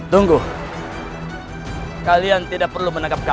tunggu kalian tidak perlu menangkapkan